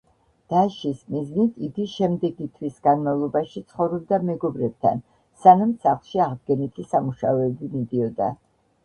დასჯის მიზნით იგი შემდეგი თვის განმავლობაში ცხოვრობდა მეგობრებთან, სანამ სახლში აღდგენითი სამუშაოები მიდიოდა.